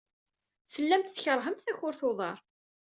Tellamt tkeṛhemt takurt n uḍar.